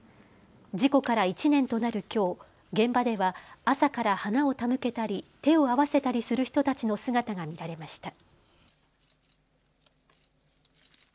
事故から１年となるきょう、現場では朝から花を手向けたり手を合わせたりする人たちの姿が見られました。